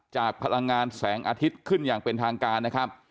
พลังงานแสงอาทิตย์ขึ้นอย่างเป็นทางการนะครับ